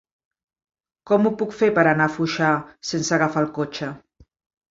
Com ho puc fer per anar a Foixà sense agafar el cotxe?